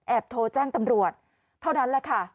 โทรแจ้งตำรวจเท่านั้นแหละค่ะ